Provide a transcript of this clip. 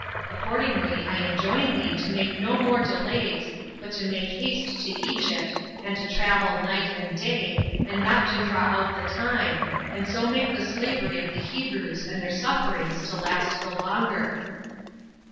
Accordingly I enjoin thee to make no more delays, but to make haste to Egypt, and to travel night and day, and not to draw out the time, and so make the slavery of the Hebrews and their sufferings to last the longer."